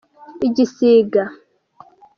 igisiga.